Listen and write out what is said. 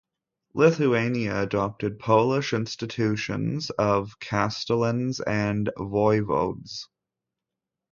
Lithuania adopted Polish institutions of castellans and voivodes.